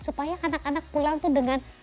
supaya anak anak pulang tuh dengan